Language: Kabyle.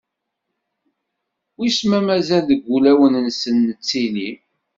wiss ma mazal deg wulawen-nsen nettili.